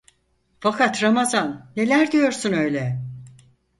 Fakat Ramazan, neler diyorsun öyle…